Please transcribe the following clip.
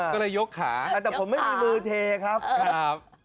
ก็เลยยกขาแต่ผมไม่มีมือเทครับครับ